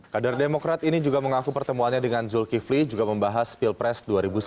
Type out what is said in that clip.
kader demokrat ini juga mengaku pertemuannya dengan zulkifli juga membahas pilpres dua ribu sembilan belas